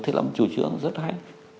thì là một chủ trương rất hay